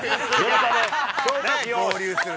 ◆合流する！